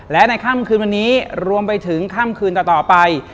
และในค่ำคืนวันนี้รวมไปถึงค่ำคืนต่อไป